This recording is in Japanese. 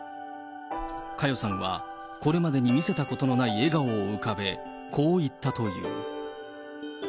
佳代さんはこれまでに見せたことのない笑顔を浮かべ、こう言ったという。